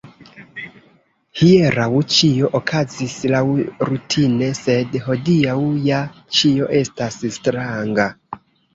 Hieraŭ ĉio okazis laŭrutine, sed hodiaŭ ja ĉio estas stranga!